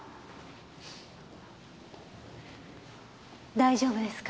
大丈夫ですか？